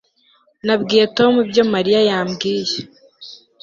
Nabwiye Tom ibyo Mariya yambwiye